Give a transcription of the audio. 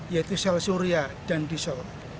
yaitu sel surya dan diesel